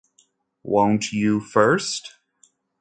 Won't you first?